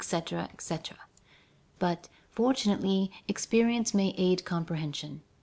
etc. But, fortunately, experience may aid comprehension.